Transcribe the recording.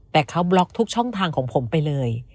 แต่เขาบล็อกทุกช่องทางของผมไปเลย